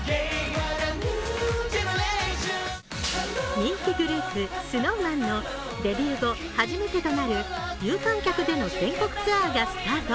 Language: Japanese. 人気グループＳｎｏｗＭａｎのデビュー後初めてとなる有観客での全国ツアーがスタート。